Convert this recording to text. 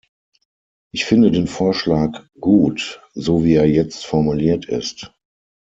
Ich finde den Vorschlag gut, so wie er jetzt formuliert ist.